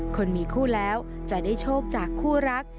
คนมีคู่แล้วจะได้โชคจากคู่รัก